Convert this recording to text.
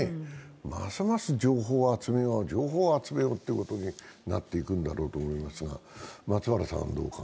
ますます情報を集めようということになっていくんだろうと思いますが、松原さんは。